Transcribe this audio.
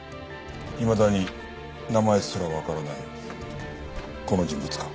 いまだに名前すらわからないこの人物か。